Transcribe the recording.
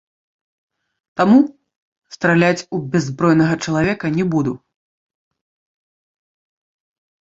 Таму, страляць у бяззбройнага чалавека не буду.